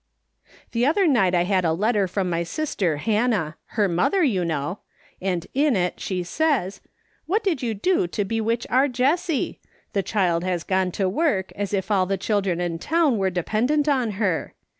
" The other night I had a letter from my sister Hannah — her mother, you know — and in it she says :' What did you do to bewitch our Jessie ? The child has gone to work as if all the children in town were dependent on her.